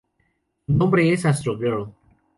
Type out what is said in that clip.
Su nombre es Astro Girl.